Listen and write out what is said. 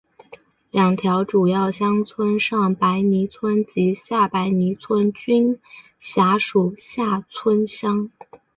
两条主要乡村上白泥村及下白泥村均辖属厦村乡。